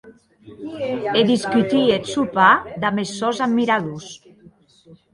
E discutie eth sopar damb es sòns admiradors.